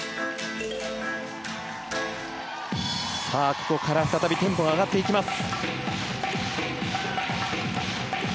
ここから再びテンポが上がっていきます。